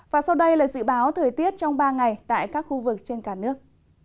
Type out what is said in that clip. và sau đây là dự báo thời tiết trong ba ngày tại các khu vực trên cả nước